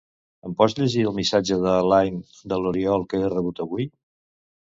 Em pots llegir el missatge de Line de l'Oriol que he rebut avui?